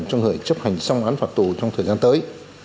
trong thời chấp hành xong án phạt tù trong thời gian tới